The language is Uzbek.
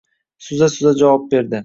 suza-suza javob berdi.